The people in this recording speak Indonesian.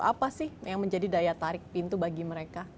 apa sih yang menjadi daya tarik pintu bagi mereka